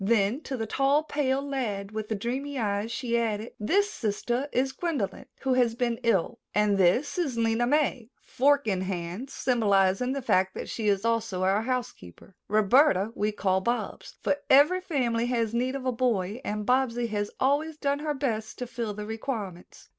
Then to the tall, pale lad with the dreamy eyes she added: "This sister is Gwendolyn, who has been ill, and this is Lena May, fork in hand, symbolizing the fact that she is also our housekeeper. Roberta we call Bobs, for every family has need of a boy and Bobsy has always done her best to fill the requirements."